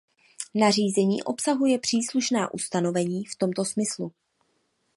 Nařízení obsahuje příslušná ustanovení v tomto smyslu.